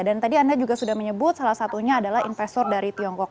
dan tadi anda juga sudah menyebut salah satunya adalah investor dari tiongkok